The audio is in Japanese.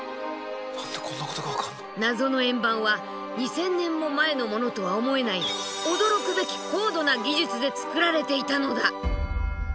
謎の円盤は２，０００年も前のものとは思えない驚くべき高度な技術で作られていたのだ。